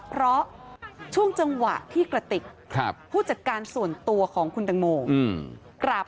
เพราะช่วงจังหวะที่กระติกผู้จัดการส่วนตัวของคุณตังโมกราบ